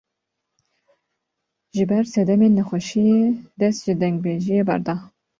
Ji ber sedemên nexweşiyê, dest ji dengbêjiyê berda